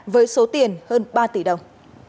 với số tiền hơn ba tỷ đồng